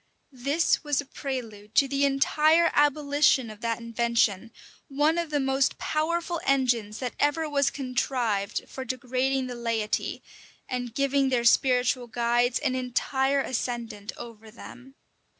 [] This was a prelude to the entire abolition of that invention, one of the most powerful engines that ever was contrived for degrading the laity, and giving their spiritual guides an entire ascendant over them.